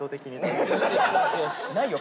ないよ